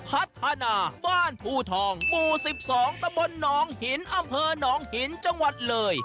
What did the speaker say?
พัฒนาบ้านภูทองหมู่๑๒ตะบนหนองหินอำเภอหนองหินจังหวัดเลย